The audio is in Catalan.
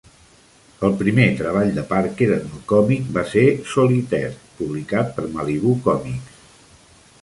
El primer treball de Parker en el còmic va ser "Solitaire", publicat per Malibu Comics.